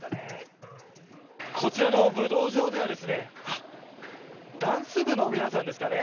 こちらの武道場ではダンス部の皆さんですかね